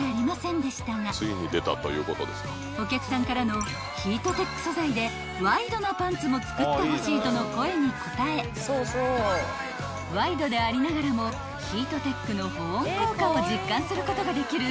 ［お客さんからのヒートテック素材でワイドなパンツも作ってほしいとの声に応えワイドでありながらもヒートテックの保温効果を実感することができる